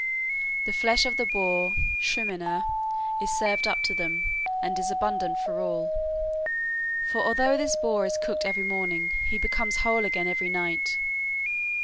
The flesh of the boar Schrimnir is served up to them, and is abundant for all. For although this boar is cooked every morning, he becomes whole again every night.